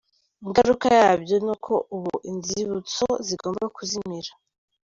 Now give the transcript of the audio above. Ingaruka yabyo ni uko ubu inzibutso zigomba kuzimira.